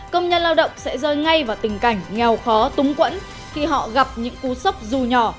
công nhân lao động sẽ rơi ngay vào tình cảnh nghèo khó túng quẫn khi họ gặp những cú sốc dù nhỏ